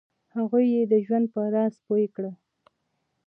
هغوی یې د ژوند په راز پوه کړه.